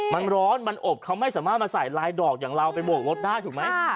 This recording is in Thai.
มันร้อนมันอบเขาไม่สามารถมาใส่ลายดอกอย่างเราไปโบกรถได้ถูกไหม